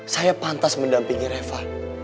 saya pantas mendampingi reva